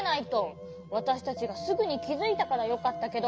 わたしたちがすぐにきづいたからよかったけど。